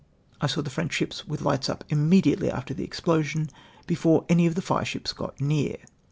I saw the French ships with lights up immediately after tJte explosion, before aruj of the fireships got near!